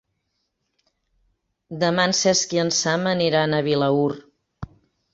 Demà en Cesc i en Sam aniran a Vilaür.